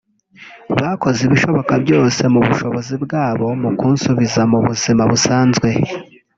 Bakoze ibishoboka byose mu bushobozi bwabo mu kunsubiza mu buzima busanzwe